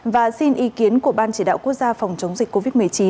và xin ý kiến của ban chỉ đạo quốc gia phòng chống dịch covid một mươi chín